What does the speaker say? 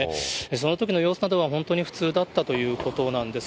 そのときの様子などは、本当に普通だったということなんです。